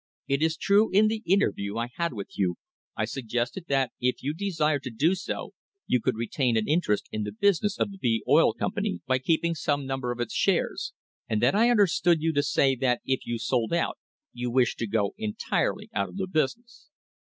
It is true that in the interview I had with you I suggested that if you desired to do so, you could retain an interest in the business of the B Oil Company, by keeping some number of its shares, and then I understood you to say that if you sold out you wished to go entirely out of the business.